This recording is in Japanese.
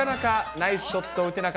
ナイスショットか。